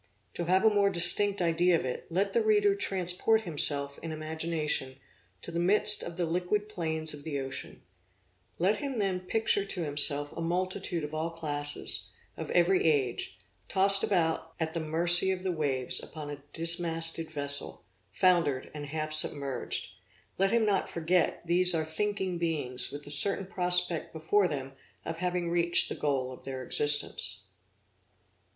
To have a more distinct idea of it, let the reader transport himself in imagination to the midst of the liquid plains of the ocean: then let him picture to himself a multitude of all classes, of every age, tossed about at the mercy of the waves upon a dismasted vessel, foundered, and half submerged, let him not forget these are thinking beings with the certain prospect before them of having reached the goal of their existence.